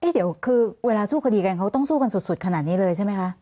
เดี๋ยวคือเวลาสู้คดีกันเขาต้องสู้กันสุดขนาดนี้เลยใช่ไหมคะ